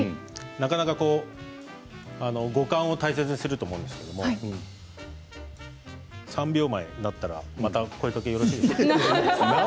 なかなか五感を大切にすると思うんですけれど３秒前になったらまた声かけよろしいですか？